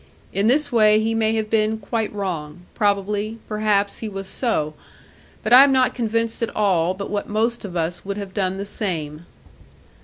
In this he may have been quite wrong; probably, perhaps, he was so; but I am not convinced at all but what most of us would have done the same.